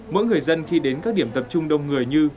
mỗi người dân khi đến các điểm tập trung đông người như